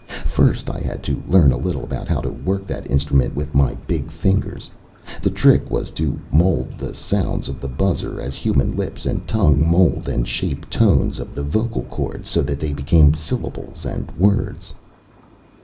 First I had to learn a little about how to work that instrument with my big fingers. The trick was to mold the sounds of the buzzer, as human lips and tongue mold and shape tones of the vocal cords, so that they became syllables and words.